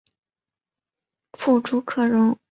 父朱克融。